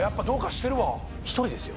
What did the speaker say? １人ですよ。